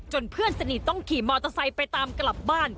เพื่อนสนิทต้องขี่มอเตอร์ไซค์ไปตามกลับบ้าน